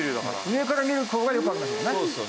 上から見る方がよくわかりますね。